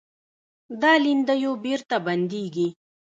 دا لیندیو بېرته بندېږي.